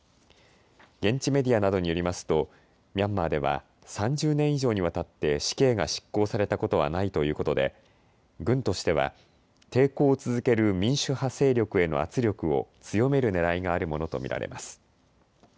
現地メディアなどによりますとミャンマーでは３０年以上にわたって死刑が執行されたことはないということで軍としては抵抗を続ける民主派勢力への圧力を強めるねらいがあるものと見られます。